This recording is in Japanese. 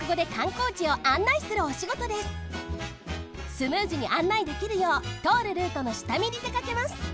スムーズに案内できるようとおるルートのしたみにでかけます。